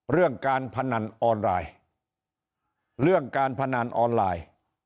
การพนันออนไลน์เรื่องการพนันออนไลน์